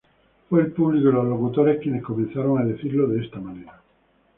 Fue el público y los locutores quienes comenzaron a decirlo de esta manera.